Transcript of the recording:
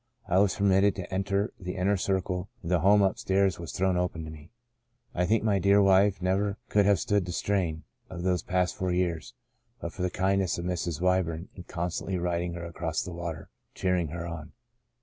I was permitted to enter the inner circle and the home up stairs was thrown open to me. I think my dear wife never could have stood the strain of those past four years, but for the kindness of Mrs. Wyburn in constantly writ ing her across the water cheering her on.